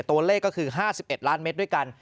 ตัวเลขก็คือ๕๑ล้านเมตรด้วยกัน